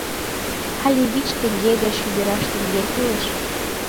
Але вич теҥге да шӱдыраш теҥге кӱлеш.